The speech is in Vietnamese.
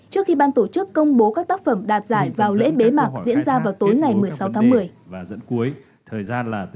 trước khi ban tổ chức công bố các tác phẩm đạt giải vào lễ bế mạc diễn ra vào tối ngày một mươi sáu tháng một mươi